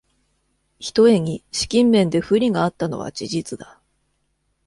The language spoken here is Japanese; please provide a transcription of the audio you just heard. ひとえに資金面で不利があったのは事実だ